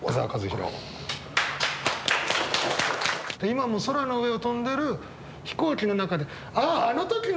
今も空の上を飛んでる飛行機の中で「ああ！あの時の君？」